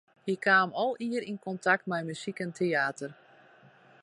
Hy kaam al ier yn kontakt mei muzyk en teäter.